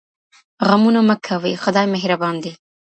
غمونه مه کوئ خدای مهربان دی